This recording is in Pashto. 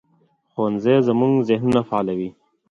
ښوونځی زموږ ذهنونه فعالوي